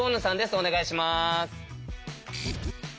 お願いします。